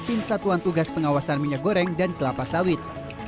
tim satuan tugas pengawasan minyak goreng dan kelapa sawit